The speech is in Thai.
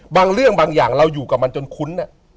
บางเรื่องบางอย่างเราอยู่กับมันจนคุ้น